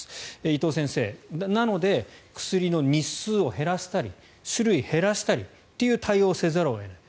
伊藤先生、なので薬の日数を減らしたり種類を減らしたりという対応をせざるを得ない。